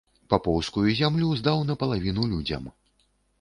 Папоўскую зямлю здаў напалавіну людзям.